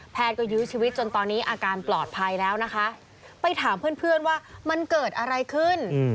ก็ยื้อชีวิตจนตอนนี้อาการปลอดภัยแล้วนะคะไปถามเพื่อนว่ามันเกิดอะไรขึ้น